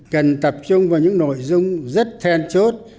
cần tập trung vào những nội dung rất then chốt